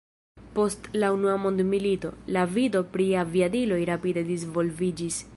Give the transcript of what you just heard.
Post la unua mondmilito, la vido pri aviadiloj rapide disvolviĝis.